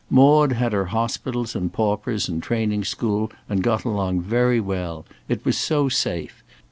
Maude had her hospitals and paupers and training school, and got along very well. It was so safe.